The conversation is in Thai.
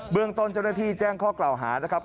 เรื่องต้นเจ้าหน้าที่แจ้งข้อกล่าวหานะครับ